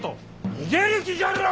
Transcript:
逃げる気じゃろう！